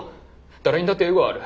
誰にだってエゴはある。